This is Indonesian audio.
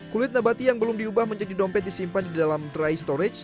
kulit nabati yang belum diubah menjadi dompet disimpan di dalam dry storage